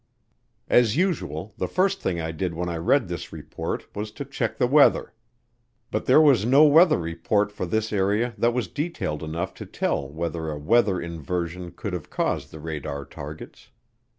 As usual, the first thing I did when I read this report was to check the weather. But there was no weather report for this area that was detailed enough to tell whether a weather inversion could have caused the radar targets.